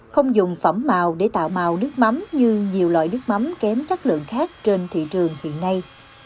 không dùng phẩm màu để tạo màu nước mắm như nhiều loại nước mắm kém chất lượng khác trên thị trường hiện nay